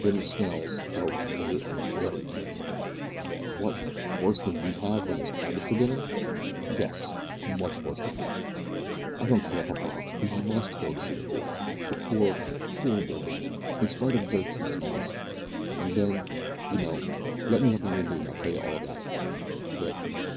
Then the smells. Oh! they are very dreadful " "What worse than we have when there's cabbage for dinner?" "Yes, much worse than that." "I don't care, papa. We must go to see the boy the poor, poor boy, in spite of dirt and smells. And then, you know let me up on your knee and I'll tell you all about it. There!